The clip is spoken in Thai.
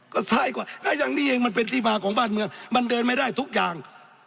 ก็ใส่กว่ามันเป็นที่มากของบ้านเมืองมันเดินไม่ได้ทุกอย่าง